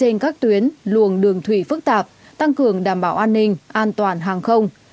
trên các tuyến luồng đường thủy phức tạp tăng cường đảm bảo an ninh an toàn hàng không